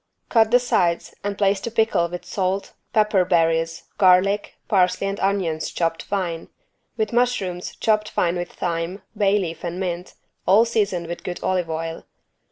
Cut the sides and place to pickle with salt, pepper berries, garlic, parsley and onions chopped fine; with mushrooms chopped fine with thyme, bay leaf and mint, all seasoned with good olive oil.